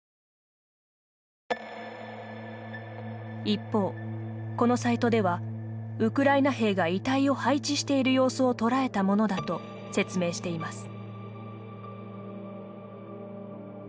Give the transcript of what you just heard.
一方、このサイトではウクライナ兵が遺体を配置している様子を捉えたものだと説明しています。